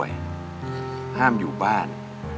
อยากเรียน